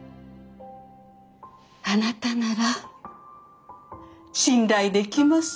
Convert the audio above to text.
あなたなら信頼できます。